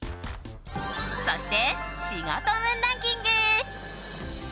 そして仕事運ランキング。